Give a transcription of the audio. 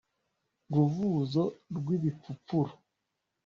Ruvuzo rw' ibipfupfuru